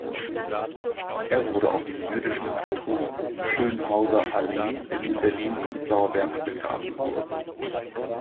Er wurde auf dem Jüdischen Friedhof Schönhauser Allee in Berlin-Prenzlauer Berg begraben.